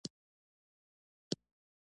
په کنډوالو او هوارو ځايونو کې ودرول شول.